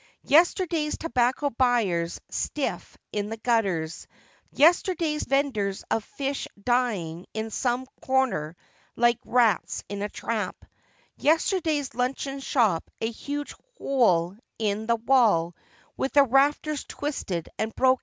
Yesterday's tobacco buyers stiff in the gutters ; yesterday's vendors of fish dying in some corner like rats in a trap ; yesterday's luncheon shop a huge hole in the wall with the rafters twisted and broken.